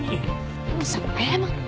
お父さんも謝って。